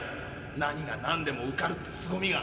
何がなんでも受かるってすごみが。